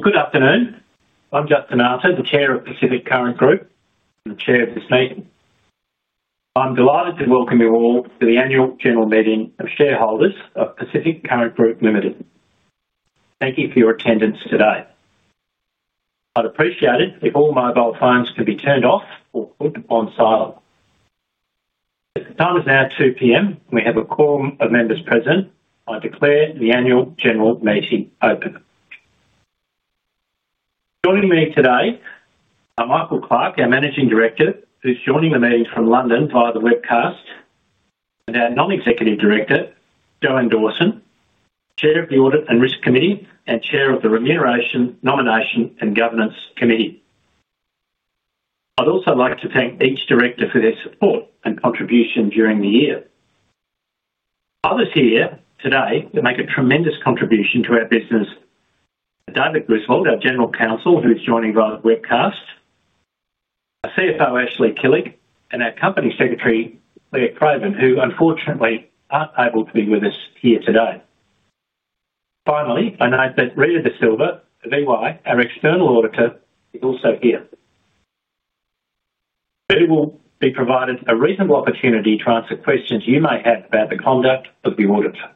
Yeah, thank you. Good afternoon. I'm Justin Arter, the Chair of Pacific Current Group and the Chair of this meeting. I'm delighted to welcome you all to the annual general meeting of shareholders of Pacific Current Group Limited. Thank you for your attendance today. I'd appreciate it if all mobile phones could be turned off or put on silent. The time is now 2:00 P.M., and we have a quorum of members present. I declare the annual general meeting open. Joining me today are Michael Clarke, our Managing Director, who's joining the meeting from London via the webcast, and our Non-Executive Director, Joanne Dawson, Chair of the Audit and Risk Committee and Chair of the Remuneration, Nomination, and Governance Committee. I'd also like to thank each Director for their support and contribution during the year. Others here today make a tremendous contribution to our business: David Griswold, our General Counsel, who's joining via the webcast; our CFO, Ashley Killick; and our Company Secretary, Clare Craven, who unfortunately aren't able to be with us here today. Finally, I note that Rita Desilva, EY, our External Auditor, is also here. Rita will be provided a reasonable opportunity to answer questions you may have about the conduct of the Auditor.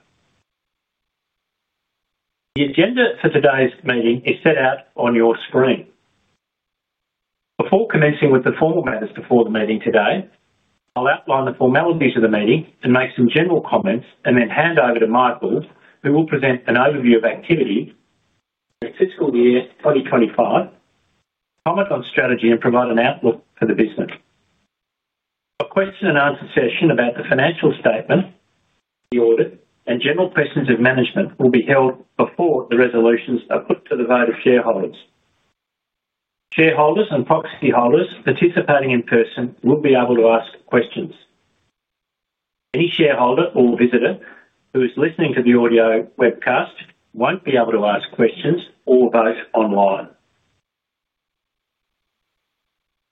The agenda for today's meeting is set out on your screen. Before commencing with the formal matters before the meeting today, I'll outline the formalities of the meeting and make some general comments, and then hand over to Michael, who will present an overview of activity for Fiscal Year 2025, comment on strategy, and provide an outlook for the business. A question-and-answer session about the financial statement, the audit, and general questions of management will be held before the resolutions are put to the vote of shareholders. Shareholders and proxy holders participating in person will be able to ask questions. Any shareholder or visitor who is listening to the audio webcast will not be able to ask questions or vote online.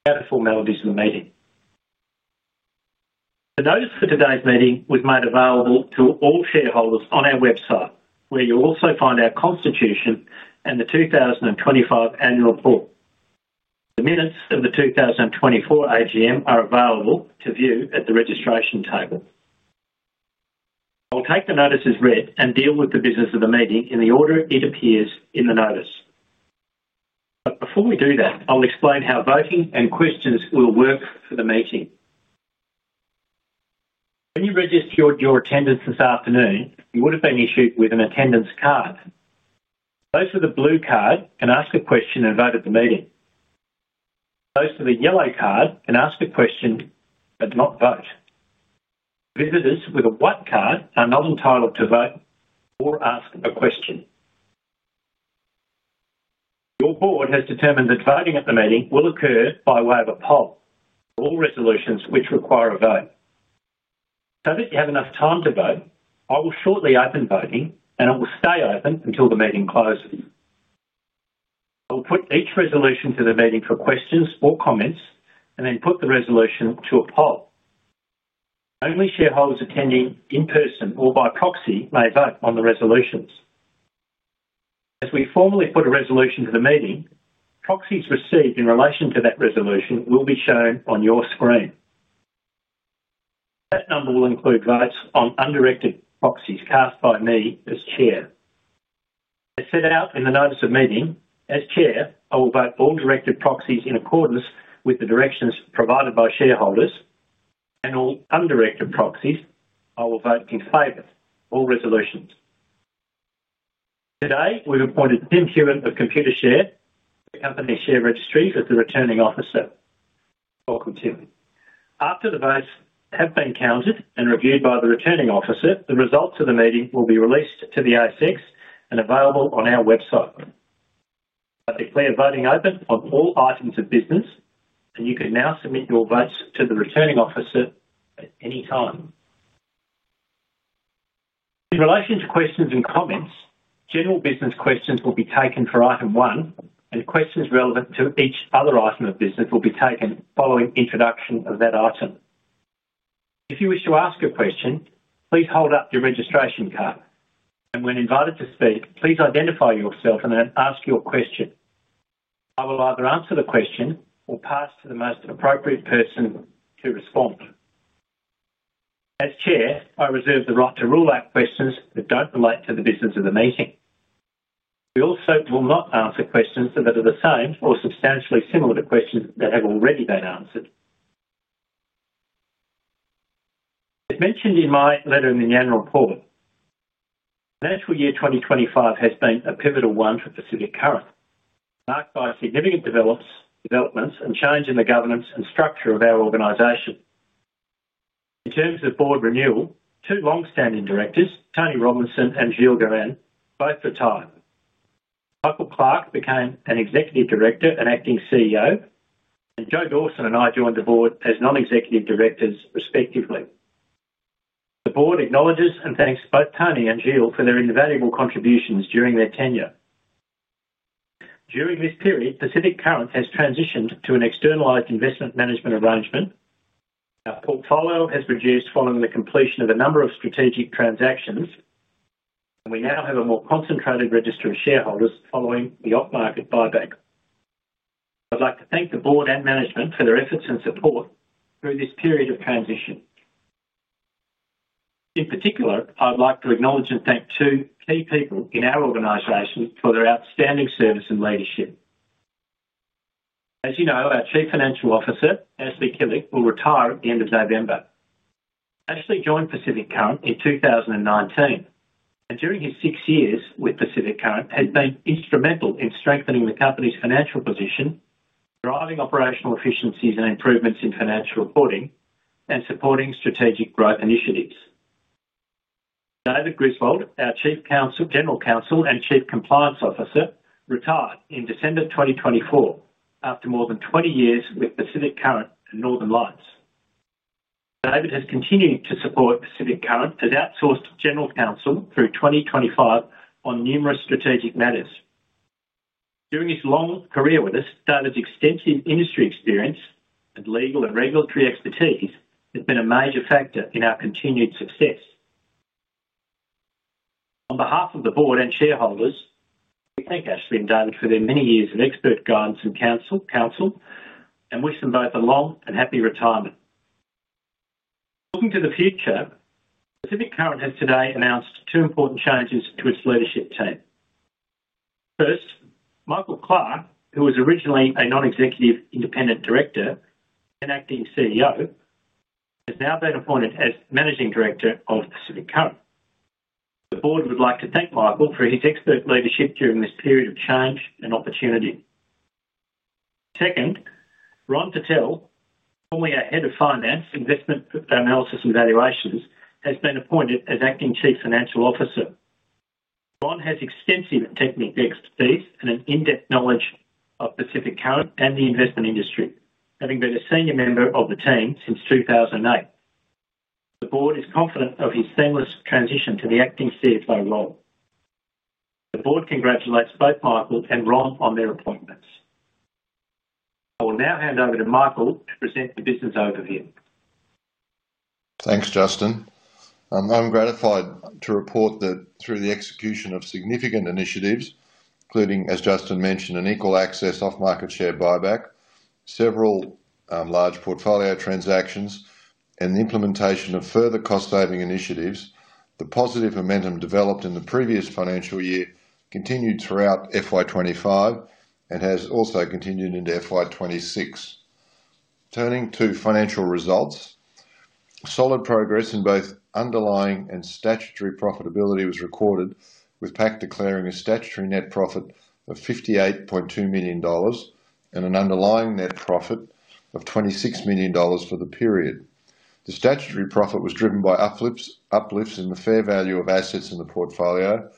Now, the formalities of the meeting. The notice for today's meeting was made available to all shareholders on our website, where you will also find our Constitution and the 2025 Annual Report. The minutes of the 2024 AGM are available to view at the registration table. I will take the notice as read and deal with the business of the meeting in the order it appears in the notice. Before we do that, I will explain how voting and questions will work for the meeting. When you registered your attendance this afternoon, you would have been issued with an attendance card. Those with a blue card can ask a question and vote at the meeting. Those with a yellow card can ask a question but not vote. Visitors with a white card are not entitled to vote or ask a question. Your board has determined that voting at the meeting will occur by way of a poll for all resolutions which require a vote. So that you have enough time to vote, I will shortly open voting, and it will stay open until the meeting closes. I will put each resolution to the meeting for questions or comments and then put the resolution to a poll. Only shareholders attending in person or by proxy may vote on the resolutions. As we formally put a resolution to the meeting, proxies received in relation to that resolution will be shown on your screen. That number will include votes on undirected proxies cast by me as Chair. As set out in the notice of meeting, as Chair, I will vote all directed proxies in accordance with the directions provided by shareholders, and all undirected proxies I will vote in favor of all resolutions. Today, we've appointed Tim Killick of Computershare, the Company's share registry, as the returning officer. Welcome, Tim. After the votes have been counted and reviewed by the returning officer, the results of the meeting will be released to the ASX and available on our website. I declare voting open on all items of business, and you can now submit your votes to the returning officer at any time. In relation to questions and comments, general business questions will be taken for item one, and questions relevant to each other item of business will be taken following introduction of that item. If you wish to ask a question, please hold up your registration card. When invited to speak, please identify yourself and then ask your question. I will either answer the question or pass to the most appropriate person to respond. As Chair, I reserve the right to rule out questions that do not relate to the business of the meeting. We also will not answer questions that are the same or substantially similar to questions that have already been answered. As mentioned in my letter in the Annual Report, the financial year 2025 has been a pivotal one for Pacific Current, marked by significant developments and change in the governance and structure of our organization. In terms of board renewal, two long-standing directors, Tony Robinson and Gilles Guérin, both retired. Michael Clarke became an Executive Director and Acting CEO, and Jo Dawson and I joined the board as Non-Executive Directors, respectively. The board acknowledges and thanks both Tony and Gilles for their invaluable contributions during their tenure. During this period, Pacific Current has transitioned to an externalised investment management arrangement. Our portfolio has reduced following the completion of a number of strategic transactions, and we now have a more concentrated register of shareholders following the off-market buyback. I'd like to thank the board and management for their efforts and support through this period of transition. In particular, I'd like to acknowledge and thank two key people in our organisation for their outstanding service and leadership. As you know, our Chief Financial Officer, Ashley Killick, will retire at the end of November. Ashley joined Pacific Current in 2019, and during his six years with Pacific Current, he has been instrumental in strengthening the company's financial position, driving operational efficiencies and improvements in financial reporting, and supporting strategic growth initiatives. David Griswold, our General Counsel and Chief Compliance Officer, retired in December 2024 after more than 20 years with Pacific Current and Northern Lights. David has continued to support Pacific Current as Outsourced General Counsel through 2025 on numerous strategic matters. During his long career with us, David's extensive industry experience and legal and regulatory expertise has been a major factor in our continued success. On behalf of the board and shareholders, we thank Ashley and David for their many years of expert guidance and counsel, and wish them both a long and happy retirement. Looking to the future, Pacific Current has today announced two important changes to its leadership team. First, Michael Clarke, who was originally a Non-Executive Independent Director, then Acting CEO, has now been appointed as Managing Director of Pacific Current. The board would like to thank Michael for his expert leadership during this period of change and opportunity. Second, Ron Patel, formerly our Head of Finance, Investment Analysis and Valuations, has been appointed as Acting Chief Financial Officer. Ron has extensive technique expertise and an in-depth knowledge of Pacific Current and the investment industry, having been a senior member of the team since 2008. The board is confident of his seamless transition to the Acting CFO role. The board congratulates both Michael and Ron on their appointments. I will now hand over to Michael to present the business overview. Thanks, Justin. I'm gratified to report that through the execution of significant initiatives, including, as Justin mentioned, an equal access off-market share buyback, several large portfolio transactions, and the implementation of further cost-saving initiatives, the positive momentum developed in the previous financial year continued throughout FY25 and has also continued into FY26. Turning to financial results, solid progress in both underlying and statutory profitability was recorded, with PAC declaring a statutory net profit of 58.2 million dollars and an underlying net profit of 26 million dollars for the period. The statutory profit was driven by uplifts in the fair value of assets in the portfolio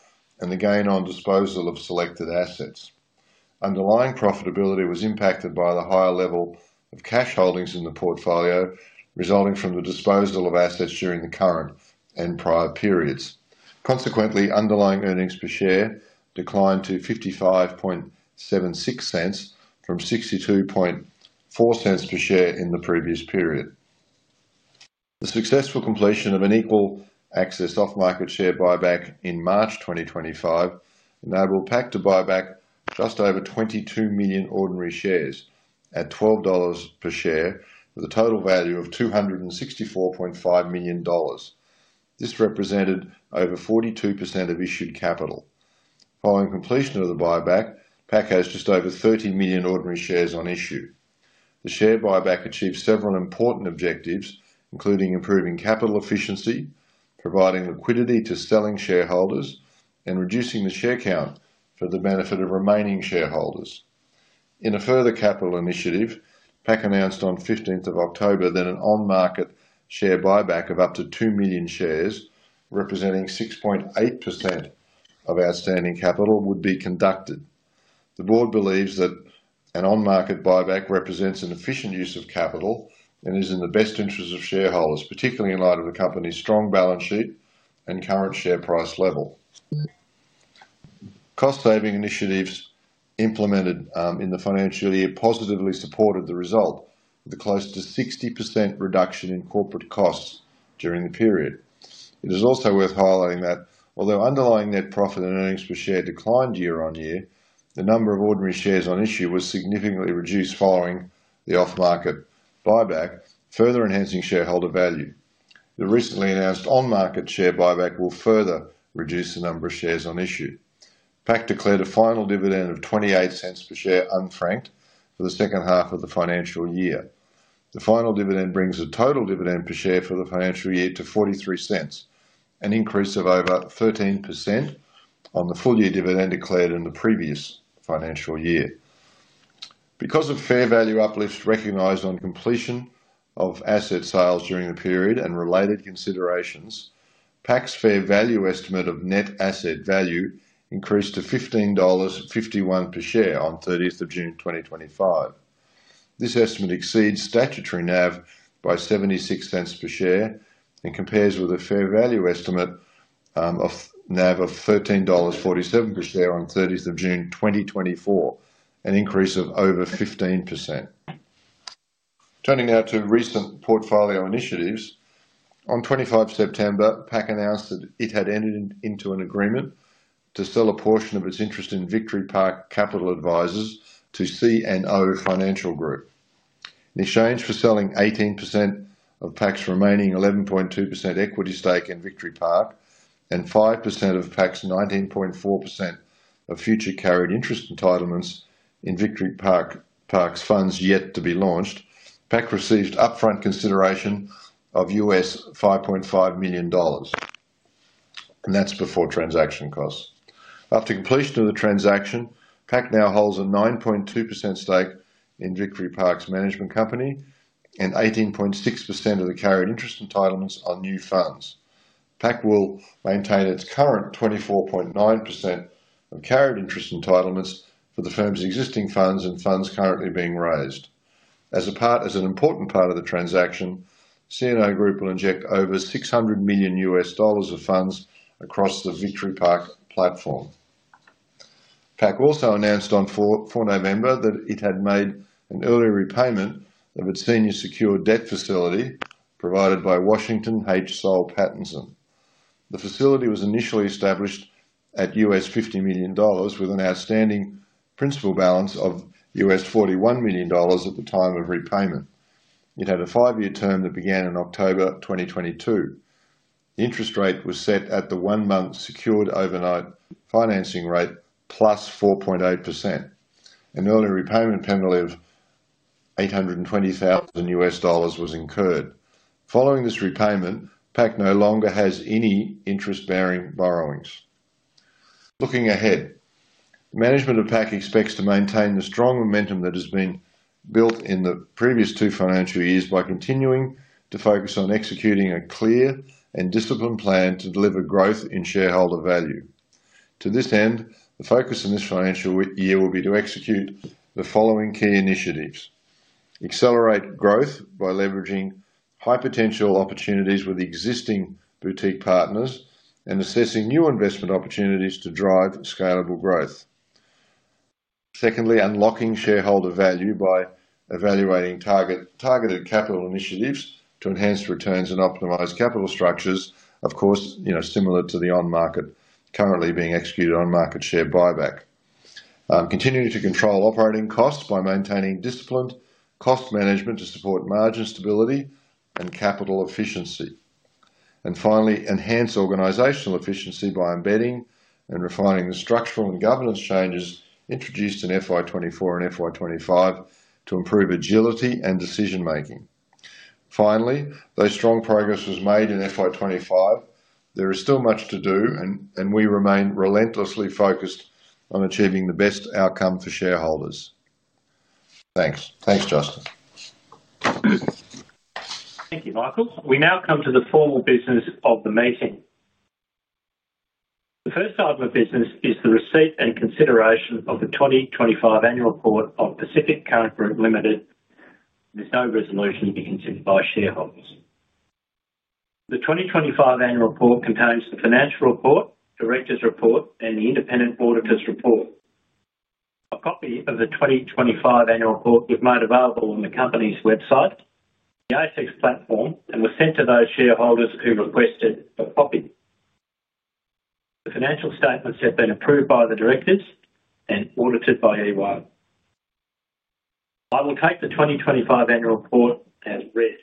and the gain on disposal of selected assets. Underlying profitability was impacted by the higher level of cash holdings in the portfolio resulting from the disposal of assets during the current and prior periods. Consequently, underlying earnings per share declined to 0.5576 from 0.624 per share in the previous period. The successful completion of an equal access off-market share buyback in March 2025 enabled PAC to buy back just over 22 million ordinary shares at 12 dollars per share for the total value of 264.5 million dollars. This represented over 42% of issued capital. Following completion of the buyback, PAC has just over 30 million ordinary shares on issue. The share buyback achieved several important objectives, including improving capital efficiency, providing liquidity to selling shareholders, and reducing the share count for the benefit of remaining shareholders. In a further capital initiative, PAC announced on the 15th of October that an on-market share buyback of up to 2 million shares, representing 6.8% of outstanding capital, would be conducted. The board believes that an on-market buyback represents an efficient use of capital and is in the best interest of shareholders, particularly in light of the company's strong balance sheet and current share price level. Cost-saving initiatives implemented in the financial year positively supported the result, with a close to 60% reduction in corporate costs during the period. It is also worth highlighting that although underlying net profit and earnings per share declined year on year, the number of ordinary shares on issue was significantly reduced following the off-market buyback, further enhancing shareholder value. The recently announced on-market share buyback will further reduce the number of shares on issue. PAC declared a final dividend of 0.28 per share unfranked for the second half of the financial year. The final dividend brings the total dividend per share for the financial year to 0.43, an increase of over 13% on the full-year dividend declared in the previous financial year. Because of fair value uplifts recognized on completion of asset sales during the period and related considerations, PAC's fair value estimate of net asset value increased to 15.51 dollars per share on the 30th of June 2025. This estimate exceeds statutory NAV by 0.76 per share and compares with a fair value estimate of NAV of 13.47 dollars per share on the 30th of June 2024, an increase of over 15%. Turning now to recent portfolio initiatives, on the 25th of September, PAC announced that it had entered into an agreement to sell a portion of its interest in Victory Park Capital Advisors to CNO Financial Group. In exchange for selling 18% of PAC's remaining 11.2% equity stake in Victory Park and 5% of PAC's 19.4% of future carried interest entitlements in Victory Park's funds yet to be launched, PAC received upfront consideration of $5.5 million. That is before transaction costs. After completion of the transaction, PAC now holds a 9.2% stake in Victory Park's management company and 18.6% of the carried interest entitlements on new funds. PAC will maintain its current 24.9% of carried interest entitlements for the firm's existing funds and funds currently being raised. As an important part of the transaction, CNO Financial Group will inject over $600 million of funds across the Victory Park platform. PAC also announced on the 4th of November that it had made an early repayment of its senior secure debt facility provided by Washington H. Soul Pattinson. The facility was initially established at $50 million with an outstanding principal balance of $41 million at the time of repayment. It had a five-year term that began in October 2022. The interest rate was set at the one-month secured overnight financing rate plus 4.8%. An early repayment penalty of $820,000 was incurred. Following this repayment, PAC no longer has any interest-bearing borrowings. Looking ahead, the management of PAC expects to maintain the strong momentum that has been built in the previous two financial years by continuing to focus on executing a clear and disciplined plan to deliver growth in shareholder value. To this end, the focus in this financial year will be to execute the following key initiatives: accelerate growth by leveraging high potential opportunities with existing boutique partners and assessing new investment opportunities to drive scalable growth. Secondly, unlocking shareholder value by evaluating targeted capital initiatives to enhance returns and optimise capital structures, of course, similar to the on-market currently being executed on-market share buyback. Continuing to control operating costs by maintaining disciplined cost management to support margin stability and capital efficiency. Finally, enhance organisational efficiency by embedding and refining the structural and governance changes introduced in FY24 and FY25 to improve agility and decision-making. Finally, though strong progress was made in FY25, there is still much to do, and we remain relentlessly focused on achieving the best outcome for shareholders. Thanks. Thanks, Justin. Thank you, Michael. We now come to the formal business of the meeting. The first item of business is the receipt and consideration of the 2025 Annual Report of Pacific Current Group Limited. There is no resolution to be considered by shareholders. The 2025 Annual Report contains the financial report, directors' report, and the independent auditor's report. A copy of the 2025 Annual Report was made available on the company's website, the ASX platform, and was sent to those shareholders who requested a copy. The financial statements have been approved by the directors and audited by EY. I will take the 2025 Annual Report as read.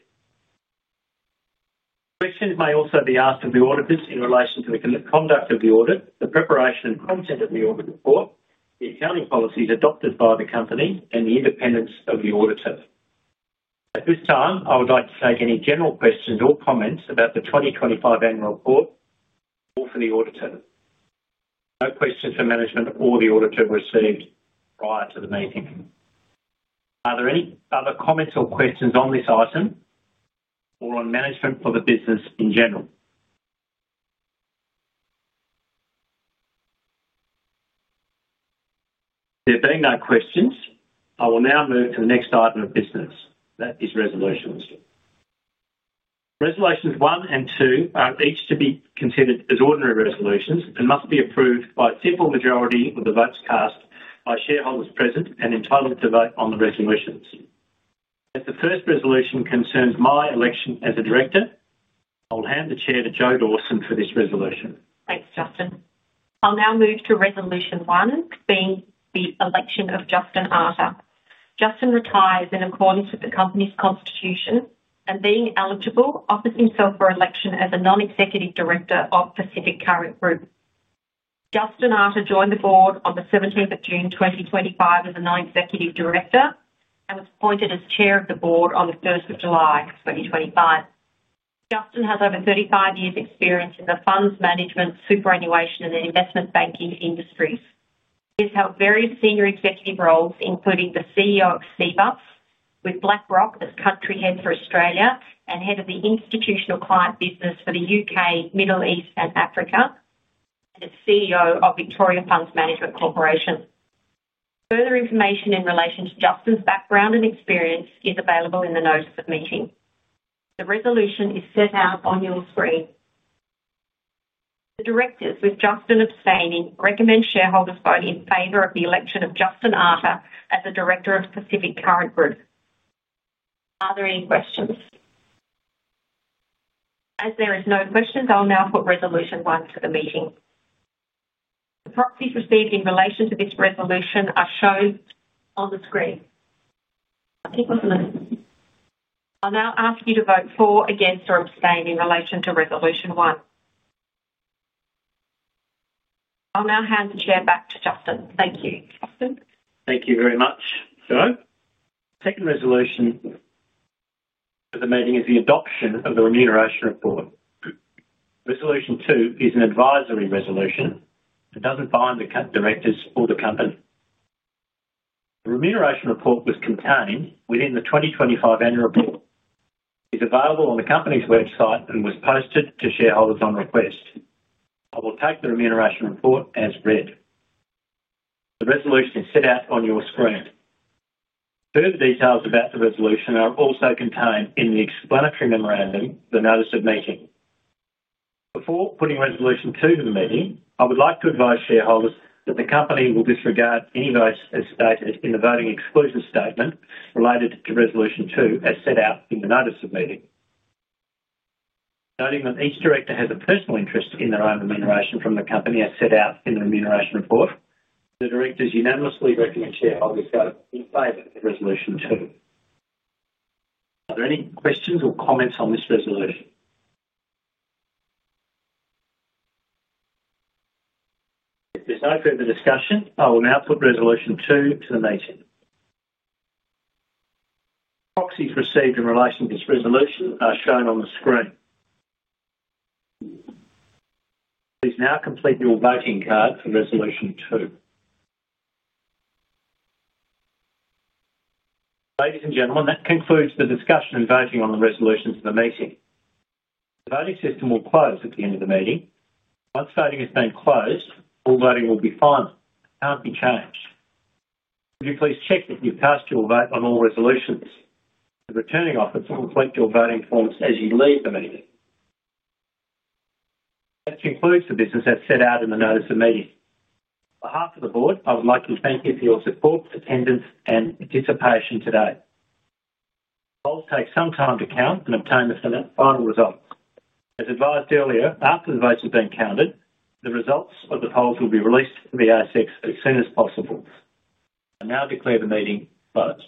Questions may also be asked of the auditors in relation to the conduct of the audit, the preparation and content of the audit report, the accounting policies adopted by the company, and the independence of the auditor. At this time, I would like to take any general questions or comments about the 2025 Annual Report or for the auditor. No questions for management or the auditor received prior to the meeting. Are there any other comments or questions on this item or on management for the business in general? There being no questions, I will now move to the next item of business. That is resolutions. Resolutions one and two are each to be considered as ordinary resolutions and must be approved by a simple majority of the votes cast by shareholders present and entitled to vote on the resolutions. As the first resolution concerns my election as a director, I will hand the chair to Joanne Dawson for this resolution. Thanks, Justin. I'll now move to resolution one, being the election of Justin Arter. Justin retires in accordance with the company's constitution and, being eligible, offers himself for election as a Non-Executive Director of Pacific Current Group. Justin Arter joined the board on the 17th of June 2025 as a Non-Executive Director and was appointed as Chair of the Board on the 1st of July 2025. Justin has over 35 years' experience in the funds management, superannuation, and investment banking industries. He has held various senior executive roles, including the CEO of CEBA, with BlackRock as country head for Australia and head of the institutional client business for the U.K., Middle East, and Africa, and as CEO of Victoria Funds Management Corporation. Further information in relation to Justin's background and experience is available in the notice of meeting. The resolution is set out on your screen. The directors, with Justin abstaining, recommend shareholders vote in favor of the election of Justin Arter as the Director of Pacific Current Group. Are there any questions? As there are no questions, I'll now put resolution one to the meeting. The proxies received in relation to this resolution are shown on the screen. I'll now ask you to vote for, against, or abstain in relation to resolution one. I'll now hand the chair back to Justin. Thank you, Justin. Thank you very much. The second resolution for the meeting is the adoption of the remuneration report. Resolution two is an advisory resolution that does not bind the directors or the company. The remuneration report was contained within the 2025 Annual Report. It is available on the company's website and was posted to shareholders on request. I will take the remuneration report as read. The resolution is set out on your screen. Further details about the resolution are also contained in the explanatory memorandum, the notice of meeting. Before putting resolution two to the meeting, I would like to advise shareholders that the company will disregard any votes as stated in the voting exclusion statement related to resolution two, as set out in the notice of meeting. Noting that each director has a personal interest in their own remuneration from the company, as set out in the remuneration report, the directors unanimously reckon the shareholders vote in favor of resolution two. Are there any questions or comments on this resolution? If there's no further discussion, I will now put resolution two to the meeting. Proxies received in relation to this resolution are shown on the screen. Please now complete your voting card for resolution two. Ladies and gentlemen, that concludes the discussion and voting on the resolutions of the meeting. The voting system will close at the end of the meeting. Once voting has been closed, all voting will be final. It can't be changed. Would you please check that you've cast your vote on all resolutions? The returning officer will collect your voting forms as you leave the meeting. That concludes the business as set out in the notice of meeting. On behalf of the board, I would like to thank you for your support, attendance, and participation today. Polls take some time to count and obtain the final results. As advised earlier, after the votes have been counted, the results of the polls will be released to the ASX as soon as possible. I now declare the meeting closed.